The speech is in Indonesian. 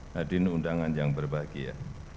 hadirin undangan yang berbahagia